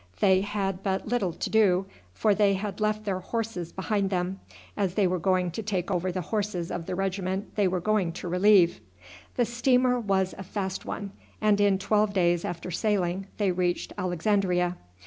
They had but little to do, for they had left their horses behind them, as they were to take over the horses of the regiment they were going to relieve. The steamer was a fast one, and in twelve days after sailing they reached Alexandria.